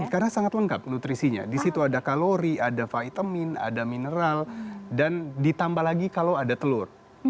karena sangat lengkap nutrisinya disitu ada kalori ada vitamin ada mineral dan ditambah lagi kalau ada telur